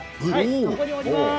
ここにおります。